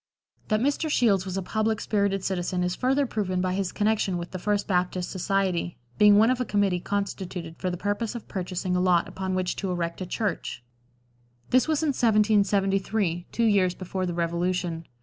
That Mr. Shields was a public spirited citizen is further proven by his connection with the First Baptist Society, being one of a committee constituted for the purpose of purchasing a lot upon which to erect a church; this was in 1773, two years before the Revolution.